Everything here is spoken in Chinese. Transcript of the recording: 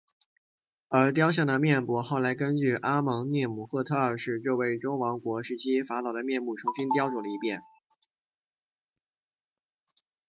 而雕像的面部后来根据阿蒙涅姆赫特二世这位中王国时期法老的面部重新雕琢了一遍。